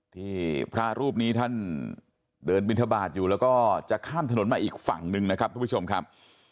ที่พระรูปนี้ท่านเดินบินทบาทอยู่แล้วก็จะข้ามถนนมาอีกฝั่งหนึ่งนะครับทุกผู้ชมครับ